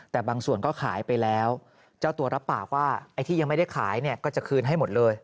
แต่บางส่วนก็ขายไปแล้วเจ้าตัวรับปากว่าไอ้ที่ยังไม่ได้ขายเนี่ยก็จะคืนให้หมดเลย